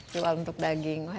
jual untuk daging